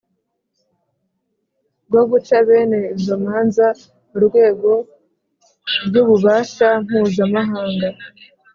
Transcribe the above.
bwo guca bene izo manza mu rwego ry'ububasha mpuzamahanga.